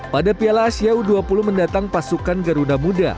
pada piala asia u dua puluh mendatang pasukan garuda muda